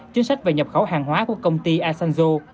chính sách về nhập khẩu hàng hóa của công ty asanjo